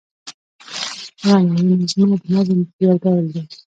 غنايي نظمونه د نظم یو ډول دﺉ.